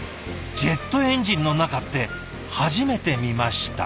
ジェットエンジンの中って初めて見ました。